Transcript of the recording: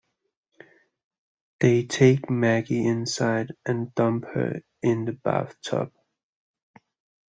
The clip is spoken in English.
They take Maggie inside and dump her in the bathtub.